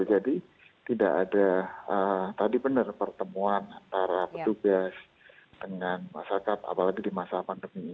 jadi tidak ada tadi benar pertemuan antara petugas dengan masyarakat apalagi di masa pandemi ini